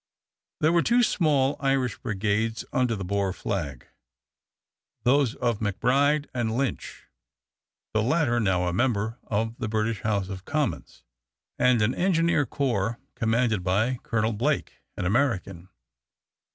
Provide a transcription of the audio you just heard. There were two small Irish brigades under the Boer flag, those of McBride and Lynch (the latter now a member of the British House of Commons), and an engineer corps commanded by Colonel Blake, an American.